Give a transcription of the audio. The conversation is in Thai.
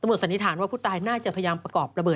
ซึ่งตอน๕โมง๔๕นะฮะทางหน่วยซิวได้มีการยุติการค้นหาที่